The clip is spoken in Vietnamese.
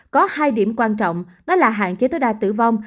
có hai điểm quan trọng đó là hạn chế tối đa tử vong